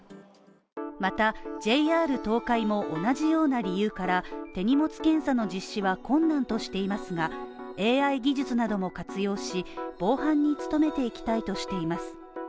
またＪＲ東海も同じような理由から手荷物検査の実施は困難としていますが、ＡＩ技術なども活用し、防犯に努めていきたいとしています。